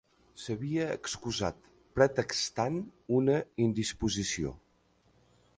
S'havia excusat pretextant una indisposició.